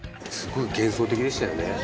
すごい幻想的でしたよね。